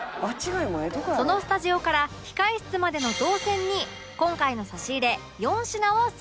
そのスタジオから控室までの動線に今回の差し入れ４品を設置